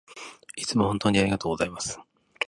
いつも本当にありがとうございます